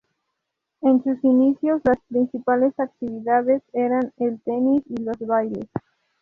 En sus inicios las principales actividades eran el tenis y los bailes.